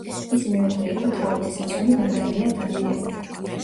მისი მეუღლე იყო თავადის ასული ნატალია დადიანი.